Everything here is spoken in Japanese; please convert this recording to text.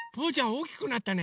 おおきくなったね。